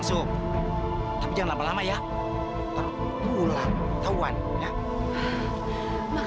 sampai jumpa di video selanjutnya